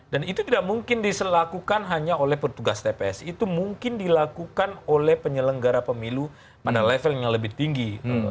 dan itu tidak mungkin dilakukan hanya oleh petugas tps itu mungkin dilakukan oleh penyelenggara pemilu pada level yang lebih tinggi